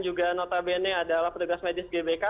juga notabene adalah petugas medis gbk